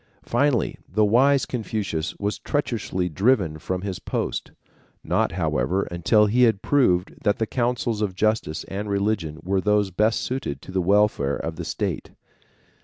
Finally the wise Confucius was treacherously driven from his post, not, however, until he had proved that the counsels of justice and religion were those best suited to the welfare of the state.